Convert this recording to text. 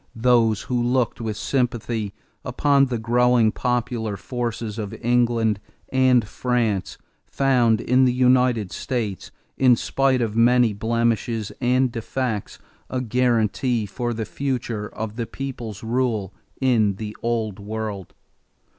Those who looked with sympathy upon the growing popular forces of England and France found in the United States, in spite of many blemishes and defects, a guarantee for the future of the people's rule in the Old World.